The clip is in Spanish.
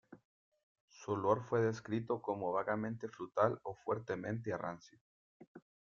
Su olor fue descrito como "vagamente frutal o fuertemente a rancio".